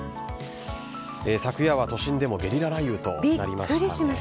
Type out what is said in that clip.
昨夜は、都心でもゲリラ雷雨となりましたね。